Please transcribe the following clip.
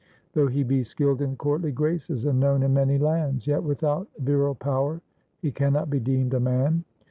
LIFE OF GURU HAR GOBIND 189 Though he be skilled in courtly graces, and known in many lands, Yet without virile power he cannot be deemed a man.